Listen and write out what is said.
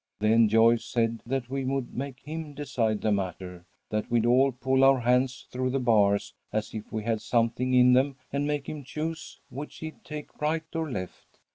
Then Joyce said that we would make him decide the matter that we'd all put our hands through the bars as if we had something in them, and make him choose which he'd take, right or left.